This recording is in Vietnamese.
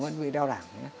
vẫn bị đau đẳng